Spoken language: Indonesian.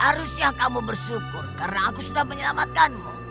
harusnya kamu bersyukur karena aku sudah menyelamatkanmu